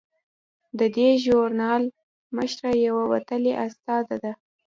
د دې ژورنال مشره یوه وتلې استاده ده.